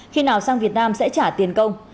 khi nào sang việt nam sẽ trả tiền công